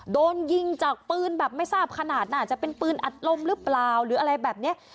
โดนยิงจากปืนแบบไม่ทราบขนาดน่าจะเป็นปืนอัดลมหรือเปล่าหรืออะไรแบบนี้